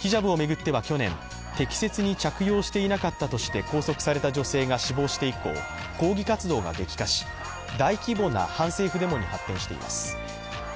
ヒジャブを巡っては去年、適切に着用していなかったとして拘束された女性が死亡して以降、抗議活動が激化し大規模な反政府デモに発展しています。